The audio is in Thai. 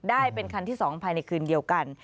ได้เป็นคันที่๒ภายในคืนเดียวกัน